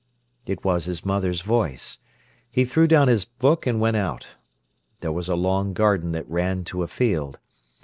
It was his mother's voice. He threw down his book and went out. There was a long garden that ran to a field.